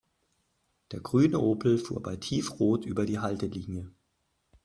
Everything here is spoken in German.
Der grüne Opel fuhr bei Tiefrot über die Haltelinie.